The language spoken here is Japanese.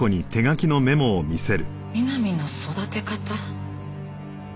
「美波の育て方」？